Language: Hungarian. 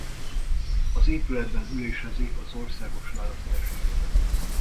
Az épületben ülésezik az Országos Választási Iroda.